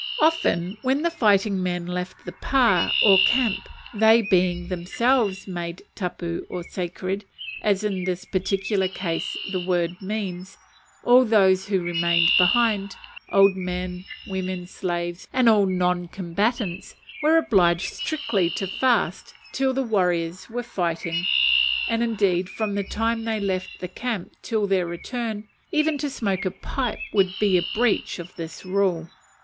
Often when the fighting men left the pa or camp, they being themselves made tapu or sacred, as in this particular case the word means all those who remained behind, old men, women, slaves, and all non combatants, were obliged strictly to fast while the warriors were fighting; and, indeed, from the time they left the camp till their return, even to smoke a pipe would be a breach of this rule.